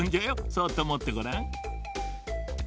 そっともってごらん。